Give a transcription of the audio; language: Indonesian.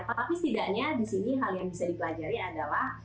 tapi setidaknya disini hal yang bisa dipelajari adalah